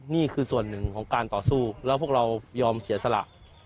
นี่คือส่วนหนึ่งของการต่อสู้แล้วพวกเรายอมเสียสละ